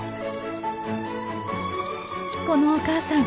このお母さん